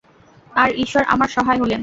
আর ঈশ্বর আমার সহায় হলেন।